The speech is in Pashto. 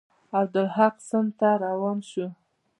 عبدالحق سند ته روان شو.